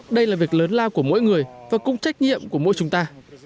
đây là việc lớn lao của mỗi người và cũng trách nhiệm của mỗi chúng ta